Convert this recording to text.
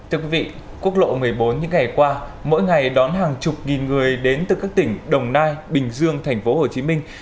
thưa quý vị quốc lộ một mươi bốn những ngày qua mỗi ngày đón hàng chục nghìn người đến từ các tỉnh đồng nai bình dương thành phố hồ chí minh